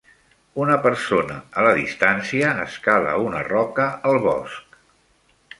Una persona a la distància escala una roca al bosc.